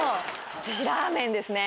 私ラーメンですね。